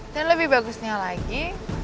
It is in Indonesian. dan lebih bagusnya lagi